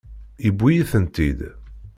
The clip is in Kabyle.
Yewwi-iyi-tent-id.